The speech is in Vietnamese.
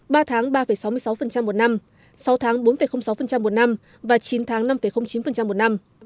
ba tháng ba sáu mươi sáu một năm sáu tháng bốn sáu một năm và chín tháng năm chín một năm